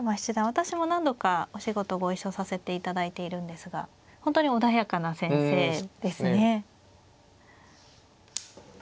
私も何度かお仕事ご一緒させていただいているんですが本当に穏やかな先生ですね。